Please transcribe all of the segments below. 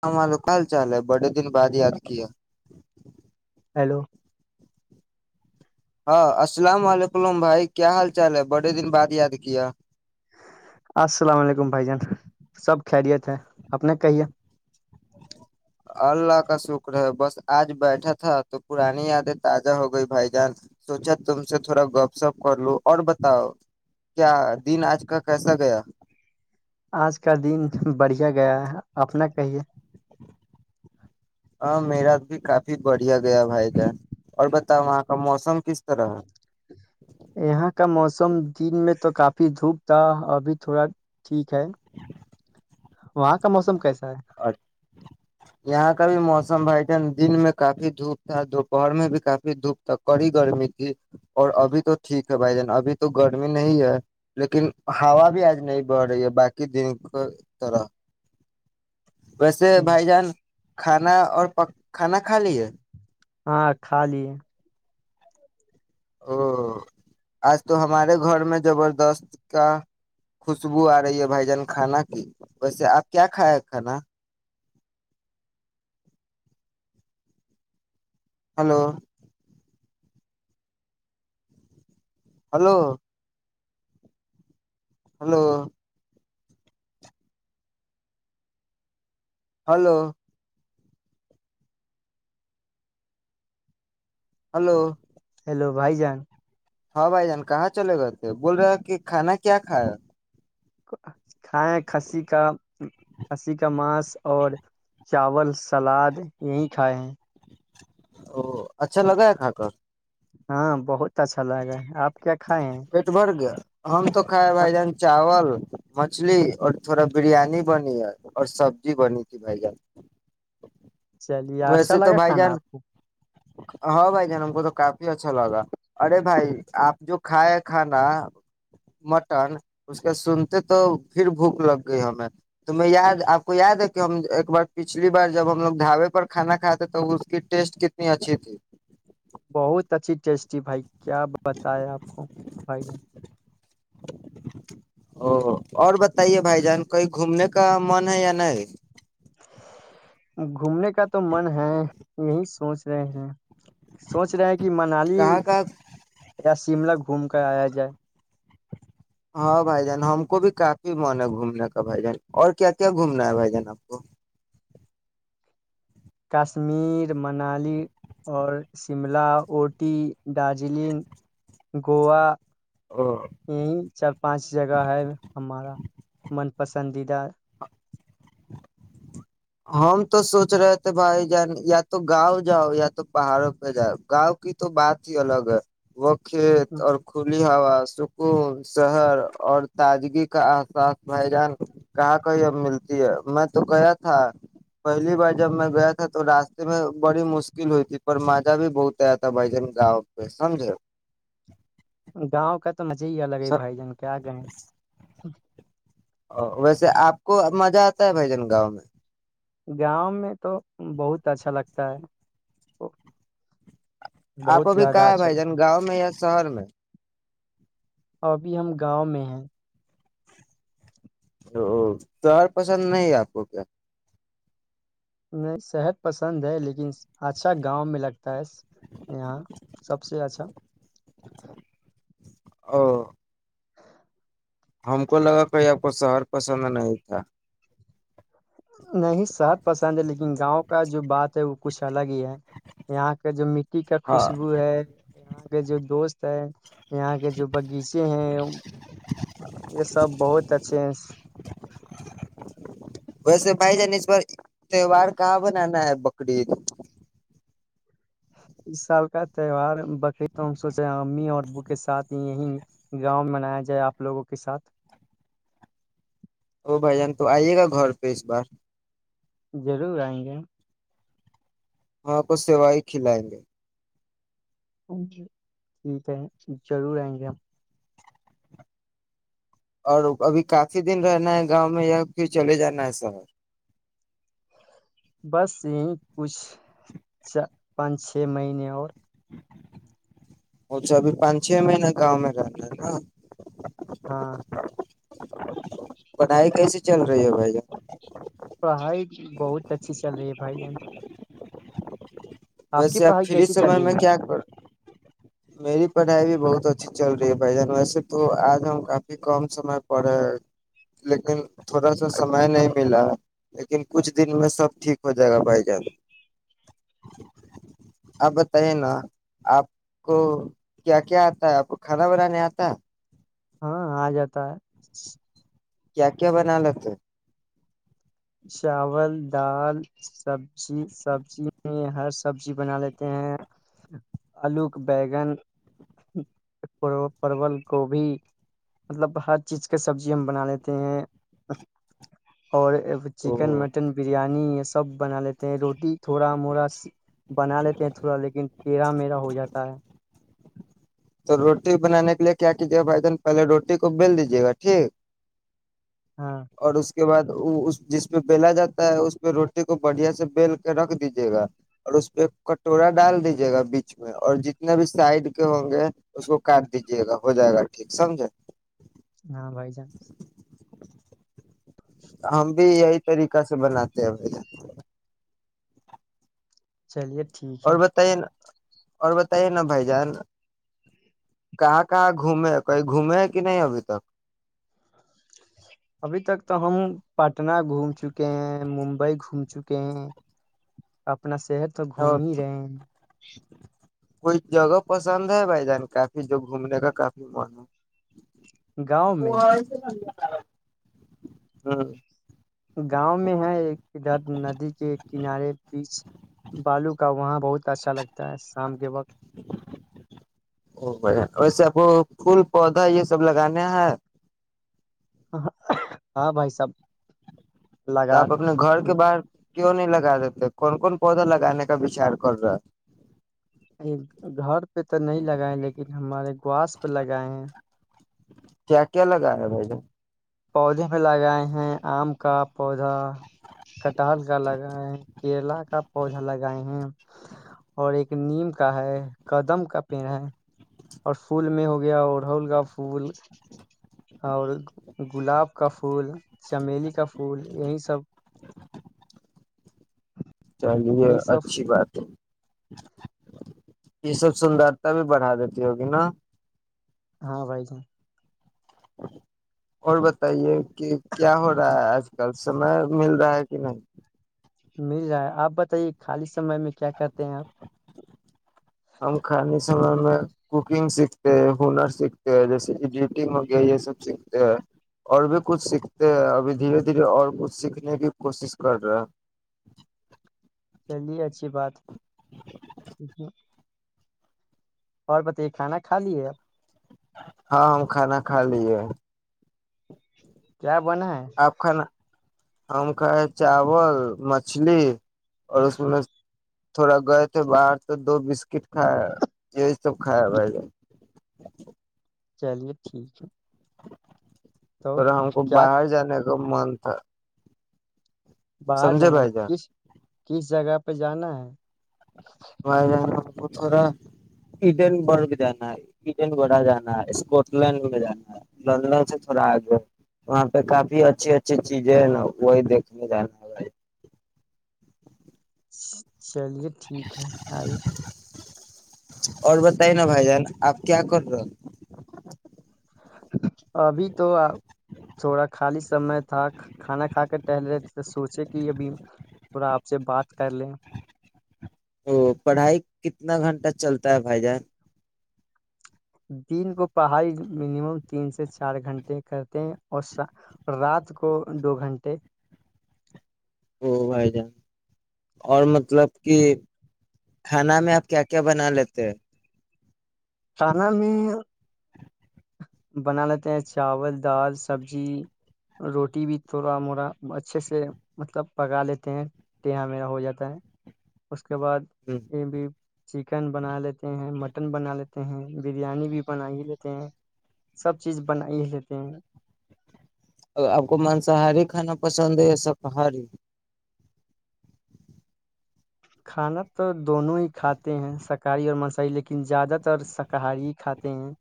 ہ واللو کل چال ہے بڑے دن بعد یاد کیا ہیلو ہاں السلام علیکم بھائی کیا حال چال ہے بڑے دن بعد یاد کیا السلام علیکم بھائی جان سب خیریت ہے اپپ نے کہیے اللہ کا شکریہ بس اج بیٹھا تھا تو پرانی یادیں تازہ ہو گئی بھائی جان سوچا تم سے تھوڑا گپ شپ کر لوں اور بتاؤ کیا دن اج کا کیسا گیا آج کا دن بڑھیا گیا ہے اپنا کہیے ہاں میرا بھی کافی بڑھیا گیا بھائی جان اور بتاؤ وہاں کا موسم کس طرح یہاں کا موسم موسم دن میں تو کافی دھوپ تھا ابھی تھوڑا ٹھیک ہے وہاں کا موسم کیسے ا یہاں کا بھی موسم م بھائی جان دن میں کافی دھوپ تھا دوپہر میں بھی کافی دھوپ تھا کڑی گرمی تھی اور ابھی تو ٹھیک ہے بھائی جان ابھی تو گرمی نہیں ہے لیکن ہا بھی آج نہیں بڑھ رہی ہے باقی دن کے طرح ویسے ٹھیک بھائی جان کھانا اور کھانا کھا لی ہے ہاں کھا لی او آج تو ہمارے گھر میں زبردست کا خوشبو آ رہی ہے بھائی جان کھانا کی ویسے آپ کیا کھا ہے کھانا hello hello hello hello hello hello بھائی جان ہاں بھائی جان کہاں چلے گئے تھے بول رہا ہے کہ کھانا کیا کھائیں کھسی کا کھسی کا ماس اور چاول سلاد یہی کھائےیں او اچھا لگا ہے کھا کر ہاں بہت کیسا لگا اپ کا پیٹ برگیا ہم تو کھاۓ ہاں بھائی جان چاول مچھلی اور تھوڑا بریانی بنی ہے اور سبزی بنی تھی بھائی جان چلیے اچھا ویسے تو لگا بھائی کھانا جان آپ کو ہاں بھائی جان ہم کو تو کافی اچھا لگا ارے بھائی آپ جو کھائے کھانا مٹن اس کے سنتے تو پھر بھوک لگ گئی ہمیں توم یاد آپ کو یاد ہے کہ ہم ایک بار پچھلی بار جب ہم لوگ ڈھابے پر کھانا کھاتے تو اس کی ٹیسٹ کتنی اچھی تھی بہت اچھی ٹیسٹی بھائی کیا بتائیں اپ کو بھائی نے او اور ب بتے بھائی جان کویں گھومنے کا من ہے یا نہیں اب گھومنے کا تو من ہے یہی سوچ رہے ہیں سوچ رہا ہے کہ منالی کہاں کا شملہ گھوم کر آیا جائے ہاں بھائی جان ہم کو بھی کافی من ہے گھومنے کا بھائی جان اور کیا کیا گھومنا ہے بھائی جان آپ کو کشمیر منالی اور شملہ اوٹی دارجلنگ گوا او چار پانچ جگہ ہے ہمارا پسندیدہ ہم تو سوچ رہے تھے بھائی جان یا تو گاؤں جاؤ یا تو پہاڑوں پہ جاؤ گاؤں کی تو بات ہی الگ ہے وہ کھیت اور کھلی اور تاجگی کا اغاز بھائی جان کہا کوئی اب ملتی ہے میں تو گیا پہلی بار جب میں گیا تھا تو راستے میں بڑی مشکل ہوئی تھی پر مادہ بھی بہتر تھا بھائی جان گاؤ پہ سمجھے ہو گاؤں کا بھائی جان کیا کہیں ا ویسے آپ کو مزہ آتا ہے بھائی جن گاؤں میں گاؤں میں تو بہت اچھا لگتا ہے اپ بہت ابھی زیادہ کہاں ہے اچھا بھائی جان لگتا گاؤں میں شہر میں ابھی ہم گاؤں میں ہیں پسند نہیں اپ کو کیا میں صحت پسند ہے لیکن اچھا گاؤں میں لگتا ہے سب سے اچھا او ہم کو لگا کہ آپ کو شہر پسند نہیں تھا نہیں سات پسند ہے لیکن گاؤں کا جو بات وہ کھ الگ ہی ہے یہاں کا جو مٹی کا ہاں خوشبو ہے کے جو دوست ہے یہاں کے جو باغیچے ہیں یہ سب بہت اچھے ہیں ویسے بھائی جان اس بار تہوار کہاں بنانا ہے بکری سال کا تہوار امی اور بھو کے ساتھ ہی یہی گاؤں منایا جائے اپ لوگوں کے ساتھ ا بھ جان تو آئیے گا گھر پہ اس بار ضرور ائیں گے اپ اس سے بھائی کھلائیں گے ٹھیک ہے ضرور آئیں گے ہم اور ابھی کافی دن رہنا ہے گاؤں میں یا پھر چلے جانا ہے سفر بس یہیں کچھ چ پانچ چھ مہینے اور اھا ابھی پانچ چھ مہین گاؤں میں رہنا ہے نا ہاں پڑھائی کیسے چل رہی ہے بھائی پڑھائی بہت اچھی چل رہی ہے بھائی کی ویسے آپ پڑھائی فھر کیسی چل سمے میں رہی ہے کیا کر میری پڑھائی بھی بہت اچھی چل رہی ہے بھائی جان ویسے تو آج ہم کافی کم سمے پڑھے لیکن تھوڑا سا سمے نہیں ملا لیکن کچھ دن میں سب ٹھیک ہو جائے گا بھائی جان آپ بتائیے نا آپ کو کیا کیا آتا ہے آپ کو کھانا بنانے آتا ہاں آ جاتا ہے کیا کیا بناال تھ چاول دال سبزی سبزی میں ہر سبزی بنا لیتے ہیں آلو کے بیگن پرول گوبھی مطلب ہر چیز کے سبزی ہم بنا لیتے ہیں اور چکن او مٹن بریانی سب بنا لیتے ہیں روٹی تھوڑا موڑا بنا لیتے ہیں تھوڑا لیکن تیڑا میڑا ہو جاتا ہے تو روٹی بنانے کے لیے کیا کیجیے گا بھائی جان پہلے روٹی کو بل دیجے گا ٹھیک ہاں اور اس کے بعد وہ جس پہ بیلا جاتا ہے اس پہ روٹی کو بڑھیا سے بیل کے رکھ دیجیے گا اور اس پہ کٹورا ڈال دیجیے گا بیچ میں اور جتنے بھی سائڈ کے ہوں گے اس کو کاٹ دیجیے گا ہو جائے گا ٹھیک سمجے ہاں بھائی چانس ہم بھی یہی طریقہ سے بناتے ہیں ب چلیے ٹھیک اور ہے بتائے نا اور بتائیے نا بھائی جان کہاں کہاں گھومے کوئی گھومے کہ نہیں ابھی تک ابھی تک تو ہم پٹنہ گھوم چکے ہیں ممبئی گھوم چکے ہیں اپنا شہر تو گھوم اور ہی رہے ہیں کوئی جگہ پسند ہے بھائی جان کافی جو گھومنے کا کافی من ہے گاؤں وہ میں آیی سے ہمم گاؤں میں ہے ایک، ادھر ندی کے کنارے بیچ بالو کا وہاں بہت اچھا لگتا ہے شام کے وقت ویسے آپ کو پھول پودا یہ سب لگانا ہے ہاں بھائی سب تو آپ اپنے گھر کے باہر کیوں نہیں لگا دیتے کون کون پودا لگانے کا وچار کر رہا ہے گھر پہ تو نہیں لگائے لیکن ہمارے گواس پہ لگائے ہیں کیا کیا لگا رہا بھائی ج پودے پہ لگائے ہیں آم کا پودا کٹال کا لگائے ہیں کیرلا کا پودا لگائے ہیں اور ایک نیم کا ہے کدم کا پیڑ ہے اور پھول میں ہو گیا اڑہول کا پھول اور گلاب کا پھول چمیلی کا پھول یہی سب چلیے یہی سب اچھی بات ہے یہ سب سندرتا بھی بڑھا دیتی ہوگی نا ہاں بھائی جان اور بتائیے کہ کیا ہو رہا ہے آج کل سمے مل رہا ہے کہ نہیں مل جائےیں آپ بتائیے خالی سے سمے میں کیا کہتے ہیں آپ [unintelligible] ہم کھے سمے میں کوکنگ سیکھتے ہیں ہنر سیکھتے ہیں جیسے ایڈیٹگ ہو گیا یہ سب سیکھتے ہیں اور بھی کچھ سیکھتے ہیں ابھی دھیرے دھیرے اور کچھ سیکھنے کی کوشش کر رہے ہیں چلیے اچھی بات ہاں اور بتائے کھانا کھا لیے آپ ہاں ہم کھانا کھا لیے کیا ہو بن ہے آپ کھانا ہم کھائے چاول مچھلی اور اس میں تھوڑا گئے تھے باہر تو دو بسکٹ کھایا یہی سب کھایا ب چلیے ٹھیک ہے تو توا ہم کو کیا باہر جانے گم تھا باہر سمجھے جانا ہے بھائی جان کس کس جگہ پر پہ جانا ہے و ج وہ تھوڑا ایڈن برگ جانا ہے ایڈن بہ جانا ہے اسکاٹ لینڈ میں جانا ہے لندن سے تھوڑا آگے ہے وہاں پہ کافی اچھی اچھی چیزیں ہے نا وہی دیکھنے جانا ہے بھائی ا [unintelligible] چلیے ٹھیک ہے آئیے اور بتائیے بھائی جان آپ کیا کر رہے ہو ابھی تو آپ تھوڑا خالی سمئے تھا کھانا کھا کے ٹہل رہے تھے سوچے کہ ابھی تھڑا آپ سے بات کر لیں ا پڑھائی کتنا گھنٹہ چلتا ہے بھائی جان دن کو پڑھائی منیمم تین سے چار گھنٹے کرتے ہیں اور رات کو دو گھنٹے وہ بھائی جان اور مطلب کہ کھانا میں آپ کیا کیا بنا لیتے ہیں چانہ میں بنا لیتے ہیں چاول دال سبزی روٹی بھی تھوڑا موڑا اچھے سے مطلب پکا لیتے ہیں اں میرا ہو جاتا ہے اس اس کے بعد ہیں ای بھی چکن بنا لیتے ہیں مٹن بنا لیتے ہیں بریانی بھی بنا ہی لیتے ہیں سب چیز بن ہی لیتے ہیں آپ کو مانساہاری کھانا پسند ہے یا شاکاہاری کھانا تو دونوں ہی کھاتے ہیں شاکاہاری اور مسی لیکن زیادہ تر شاکاہاری کھاتے ہیں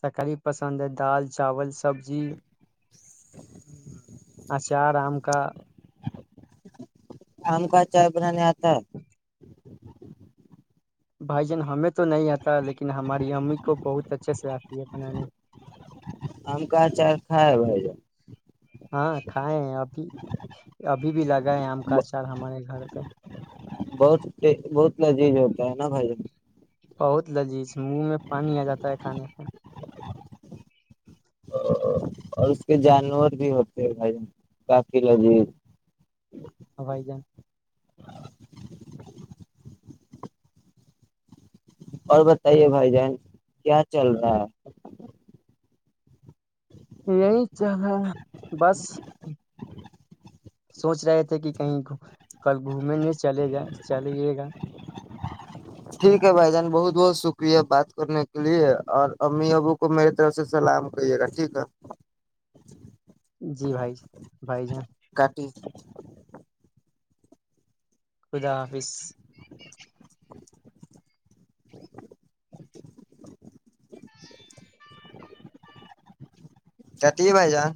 شاکاہاری پسند ہے دال چاول سبزی اچھارام کا آم کا چائے بنانے آتا ہے بھائی جان ہمیں تو نہیں آتا لیکن ہماری امی کو بہت اچھے سے آتی ہے بنانے ہمم کا اچار کائے بائی جا ہاں کھیں ابھی ابھی بھی لگا ہے آم کا اچار ہمارے گھر [unintelligible] بہت بہت لذیذ ہوتا ہے نا بھائی ج بہت لذیذ منہ میں پانی آ جاتا ہے کھانے سے اور اس کے جانور بھی ہوتے ہیں بھائی کافی لذیذ ہاں بھائی جان [unintelligible] [inaudible] اور بتائیے بھائی جان کیا چل رہا ہے یہی چا بس سوچ رہے تھے کہ کہیں کل گھومنے نہیں چلے جا چلیے گا ٹھیک ہے بھائی جان بہت بہت ش شکریہ بات کرنے کے لیے اور امی ابو کو میرری طرف سے سلام کریے گا ٹھیک ہے جی بھائی ج بھائی جان کاٹی خدافظ [unintelligible] چتی ہے بھائی جان